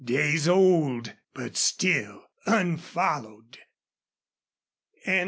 Days old, but still unfollowed!